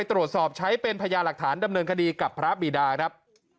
ตรวจสอบใช้เป็นพญาหลักฐานดำเนินคดีกับพระบีดาครับ